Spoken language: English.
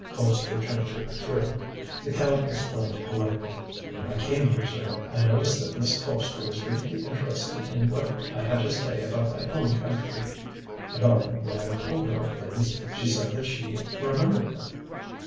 Colpster turned to Akira. The Count explained politely. "When I came here, sir, I noticed that Miss Colpster was greatly interested in what I had to say about my own country. And often, when I told her of things, she said that she remembered them."